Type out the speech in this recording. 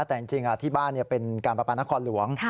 แต่จริงที่บ้านเป็นการประปานครหลวง